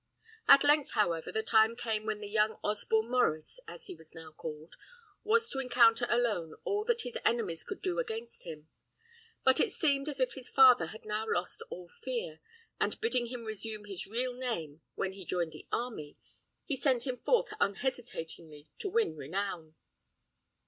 At length, however, the time came when the young Osborne Maurice (as he was now called) was to encounter alone all that his enemies could do against him; but it seemed as if his father had now lost all fear, and bidding him resume his real name when he joined the army, he sent him forth unhesitatingly to win renown.